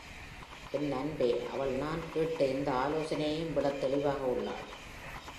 என் அன்பே, அவள் நான் கேட்ட எந்த ஆலோசனையையும் விடத் தெளிவாக உள்ளாள்!